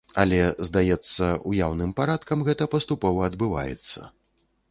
Але, здаецца, уяўным парадкам гэта паступова адбываецца.